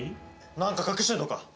何か隠してんのか？